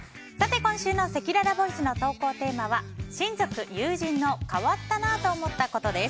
今週のせきららボイスの投稿テーマは親族・友人の変わったなぁと思ったことです。